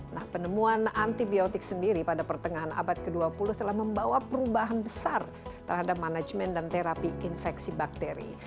nah penemuan antibiotik sendiri pada pertengahan abad ke dua puluh telah membawa perubahan besar terhadap manajemen dan terapi infeksi bakteri